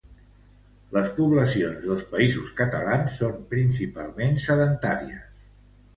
Les poblacions dels països catalans són principalment sedentàries.